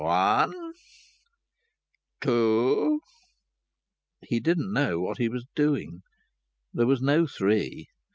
"One two " He didn't know what he was doing. There was no three.